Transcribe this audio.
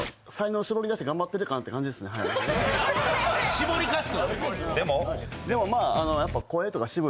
絞りかす？